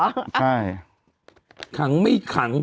ใช่ขังไม่ขัง